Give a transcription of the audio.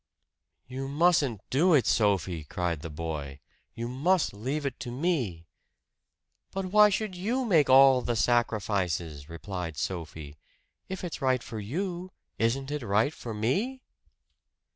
"You mustn't do it, Sophie!" cried the boy. "You must leave it to me!" "But why should you make all the sacrifices?" replied Sophie. "If it's right for you, isn't it right for me?"